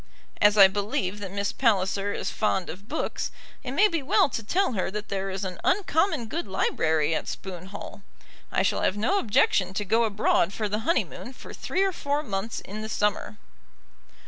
As I believe that Miss Palliser is fond of books, it may be well to tell her that there is an uncommon good library at Spoon Hall. I shall have no objection to go abroad for the honeymoon for three or four months in the summer.